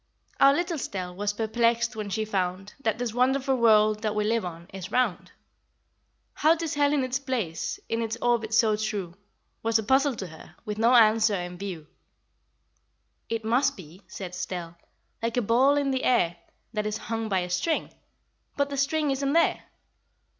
Our little Estelle Was perplexed when she found That this wonderful world That we live on is round. How 'tis held in its place In its orbit so true Was a puzzle to her, With no answer in view. "It must be," said Estelle, "Like a ball in the air That is hung by a string; But the string isn't there!"